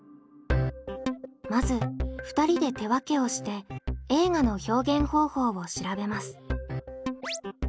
まず２人で手分けをして「映画の表現方法」を調べます。